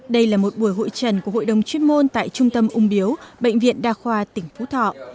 đây là một buổi hội trần của hội đồng chuyên môn tại trung tâm ung biếu bệnh viện đa khoa tỉnh phú thọ